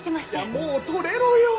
もう取れろよ！